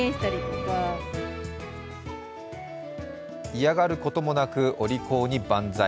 嫌がることもなくお利口にバンザイ。